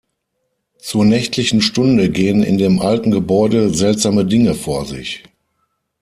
Zur nächtlichen Stunde gehen in dem alten Gebäude seltsame Dinge vor sich.